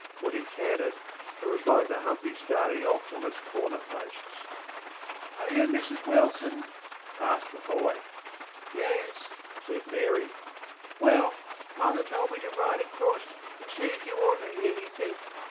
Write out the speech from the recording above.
When he cantered it was like the humpy starting off on its corner posts. ŌĆśAre you Mrs Wilson? ŌĆÖ asked the boy. ŌĆśYes, ŌĆÖ said Mary. ŌĆśWell, mother told me to ride acrost and see if you wanted anythink.